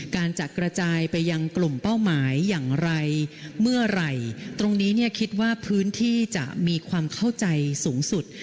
การจะกระจายไปยังกลุ่มเป้าหมายอย่างไรเมื่อไหร่ตรงนี้เนี่ยคิดว่าพื้นที่จะมีความเข้าใจสูงสุด